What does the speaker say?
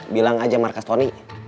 bilang aja markas tony